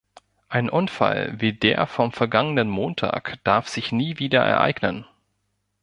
Ein Unfall wie der vom vergangenen Montag darf sich nie wieder ereignen.